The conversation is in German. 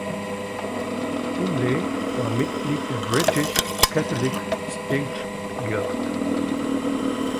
Finlay war Mitglied der "British Catholic Stage Guild".